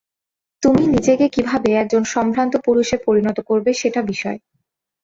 তুমি নিজেকে কিভাবে একজন সম্ভ্রান্ত পুরুষে পরিণত করবে সেটা বিষয়।